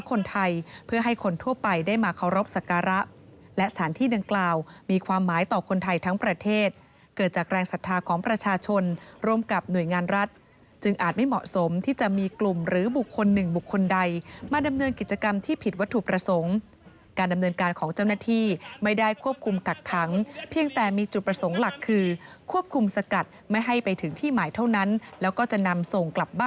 ของคนไทยทั้งประเทศเกิดจากแรงศรัทธาของประชาชนร่วมกับหน่วยงานรัฐจึงอาจไม่เหมาะสมที่จะมีกลุ่มหรือบุคคลหนึ่งบุคคลใดมาดำเนินกิจกรรมที่ผิดวัตถุประสงค์การดำเนินการของเจ้าหน้าที่ไม่ได้ควบคุมกักขังเพียงแต่มีจุดประสงค์หลักคือควบคุมสกัดไม่ให้ไปถึงที่หมายเท่านั้นแล้วก